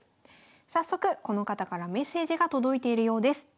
早速この方からメッセージが届いているようです。